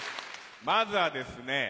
まずはですね